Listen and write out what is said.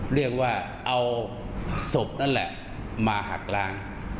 เรียกว่าเอาศพนั่นแหละมาหักล้าง